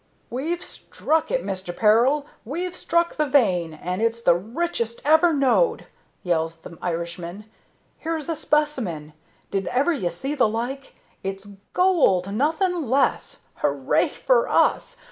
"We've struck it, Mister Peril! We've struck the vein, and it's the richest ever knowed!" yells the Irishman. "Here's a specimen. Did ever you see the like? It's gold nothing less! Hooray for us!